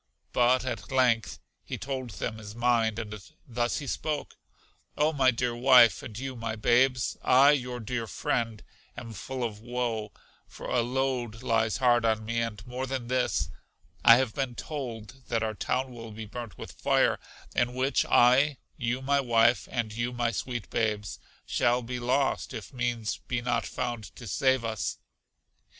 But at length he told them his mind, and thus he spoke, O my dear wife, and you my babes, I, your dear friend, am full of woe, for a load lies hard on me; and more than this, I have been told that our town will be burnt with fire, in which I, you my wife, and you my sweet babes, shall be lost, if means be not found to save us.